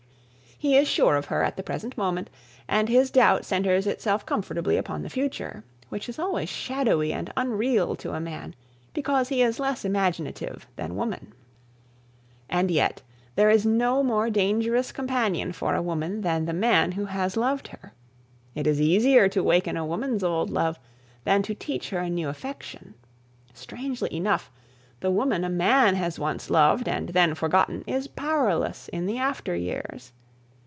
He is sure of her at the present moment and his doubt centres itself comfortably upon the future, which is always shadowy and unreal to a man, because he is less imaginative than woman. And yet there is no more dangerous companion for a woman than the man who has loved her. It is easier to waken a woman's old love than to teach her a new affection. Strangely enough, the woman a man has once loved and then forgotten is powerless in the after years.